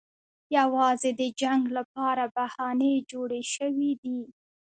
یوازې د جنګ لپاره بهانې جوړې شوې دي.